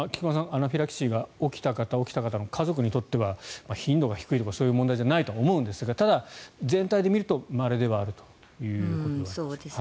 アナフィラキシーが起きた方起きた方の家族にとっては頻度が低いとかそういう問題じゃないと思うんですがただ、全体で見るとまれではあるということです。